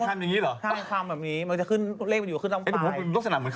คุณลูบเนี่ยผมว่าไม่ใช่มะเขือพวงส์แล้ว